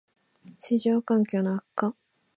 ① 市場環境の悪化